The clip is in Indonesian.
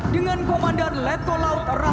dengan komandan lieutenant kolonel penerbang